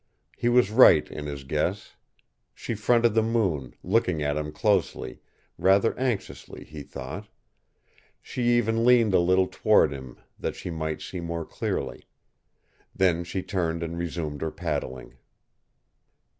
He was right in his guess. She fronted the moon, looking at him closely rather anxiously, he thought. She even leaned a little toward him that she might see more clearly. Then she turned and resumed her paddling.